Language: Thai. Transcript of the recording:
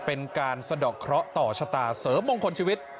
เป็นการสะดอกเคราะห์ต่อชะตาเสริมมงคลชีวิต